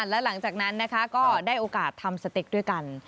และหลังจากนั้นนะคะก็ได้โอกาสทำสเต็กด้วยกัน